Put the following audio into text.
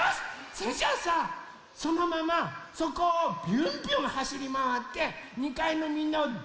それじゃあさそのままそこをビュンビュンはしりまわって２かいのみんなをジャンジャンもりあげちゃおうよ。